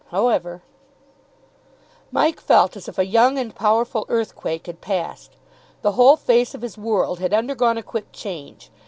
However " Mike felt as if a young and powerful earthquake had passed. The whole face of his world had undergone a quick change.